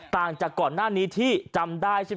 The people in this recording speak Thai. ท่านพรุ่งนี้ไม่แน่ครับ